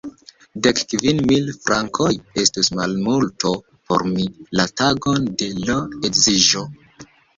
Dek kvin mil frankoj estus malmulto por mi, la tagon de l' edziĝo.